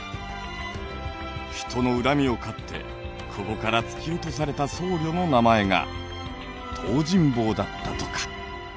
人の恨みを買ってここから突き落とされた僧侶の名前が東尋坊だったとか。